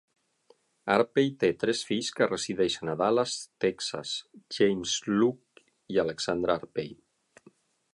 Arpey té tres fills que resideixen a Dallas, Texas: James, Luke i Alexandra Arpey.